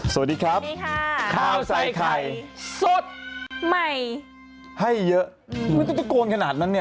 สวัสดีครับสวัสดีค่ะข้าวใส่ไข่สดใหม่ให้เยอะมันจะตะโกนขนาดนั้นเนี่ย